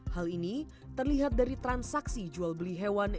hal ini terlihat dari transaksi jual beli hewan